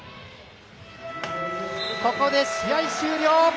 ここで試合終了。